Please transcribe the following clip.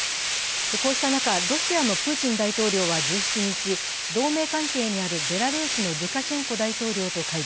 こうした中、ロシアのプーチン大統領は１７日、同盟関係にあるベラルーシのルカシェンコ大統領と会談。